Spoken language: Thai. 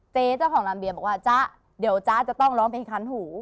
เจ๊เจ้าของลำเบียบอกว่าจ๊ะเดี๋ยวจ๊ะจะต้องร้องเพลงคันหู